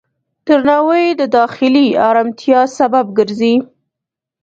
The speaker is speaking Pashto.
درناوی د داخلي آرامتیا سبب ګرځي.